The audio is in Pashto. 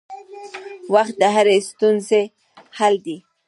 وخت د هرې ستونزې حل دی.